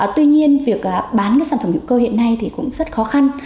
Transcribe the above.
tuy nhiên việc bán cái sản phẩm hữu cơ hiện nay thì cũng rất khó khăn